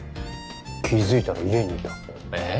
気づいたら家にいたええ？